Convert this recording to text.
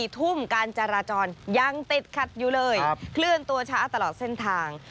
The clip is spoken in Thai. ๔ทุ่มการจราจรยังติดขัดอยู่เลยเคลื่อนตัวช้าตลอดเส้นทาง